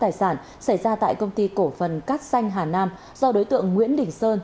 tài sản xảy ra tại công ty cổ phần cát xanh hà nam do đối tượng nguyễn đình sơn